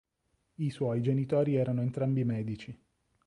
I suoi genitori erano entrambi medici.